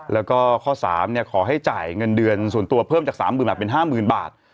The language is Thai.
แล้วก็ข้อ๓ขอให้จ่ายเงินเดือนส่วนตัวเพิ่มจาก๓๐๐๐บาทเป็น๕๐๐๐บาท